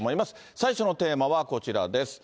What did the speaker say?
最初のテーマはこちらです。